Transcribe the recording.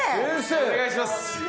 お願いします。